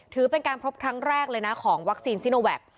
ถือเป็นการพบครั้งแรกเลยนะของวัคซีนซิโนแวค